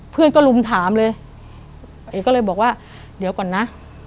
เพื่อนก็ลุมถามเลยเอกก็เลยบอกว่าเดี๋ยวก่อนนะ